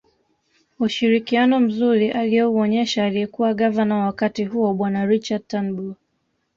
Ushirikiano mzuri aliouonyesha aliyekuwa gavana wa wakati huo bwana Richard Turnbull